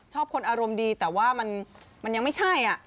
คนอารมณ์ดีแต่ว่ามันยังไม่ใช่